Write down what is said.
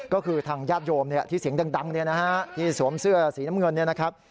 ก็คือทางญาติโยมที่เสียงดังที่สวมเสื้อสีมืออย่างงี้